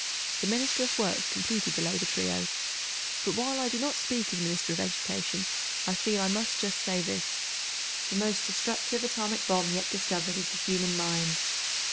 The Minister of Works completed the Labour trio. But while I do not speak as Minister of Education, I feel I must just say this: The most destructive atomic bomb yet discovered is the human mind.